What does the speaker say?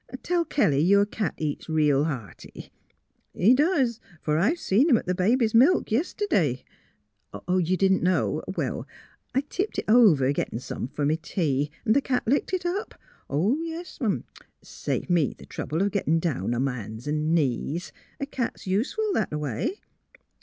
Tell Kelly your cat eats reel hearty. He doos, f'r I seen him at th' baby's milk yest'd'y. ... Oh, didn't you know? I tipped it over gettin' some f'r m' tea. Th' cat licked it up. Yes'm, saved me th' trouble o' gettin' down on m' ban's 'n' knees. A cat's useful that a way.